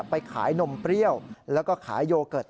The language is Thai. ไปขายนมเปรี้ยวแล้วก็ขายโยเกิร์ต